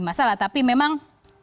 masalah tapi memang